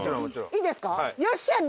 いいですか？